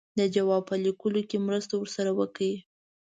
د جواب په لیکلو کې مرسته ورسره وکړي.